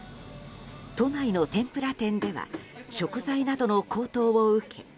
都内の天ぷら店では食材などの高騰を受け